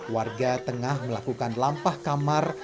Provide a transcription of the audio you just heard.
warga tengah melakukan lampah kamar